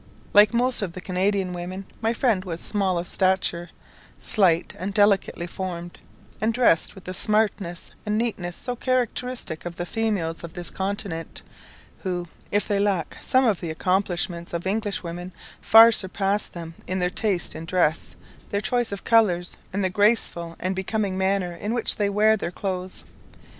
Like most of the Canadian women, my friend was small of stature, slight and delicately formed, and dressed with the smartness and neatness so characteristic of the females of this continent, who, if they lack some of the accomplishments of English women, far surpass them in their taste in dress, their choice of colours, and the graceful and becoming manner in which they wear their clothes.